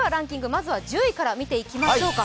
まずは１０位から見ていきましょうか。